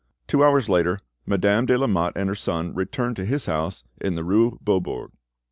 Two hours later Madame de Lamotte and her son returned to his house in the rue Beaubourg.